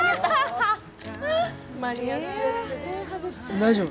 大丈夫？